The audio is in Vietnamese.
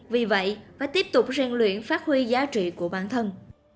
vì vậy phải tiếp tục rèn luyện phát huy giá trị của bản thân